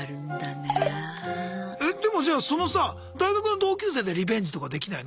でもじゃあそのさ大学の同級生でリベンジとかできないの？